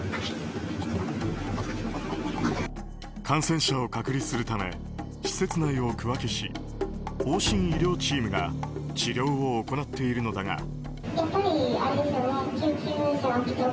感染者を隔離するため施設内を区分けし往診医療チームが治療を行っているのだが。